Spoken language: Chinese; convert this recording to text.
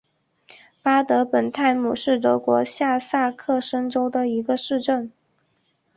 巴德本泰姆是德国下萨克森州的一个市镇。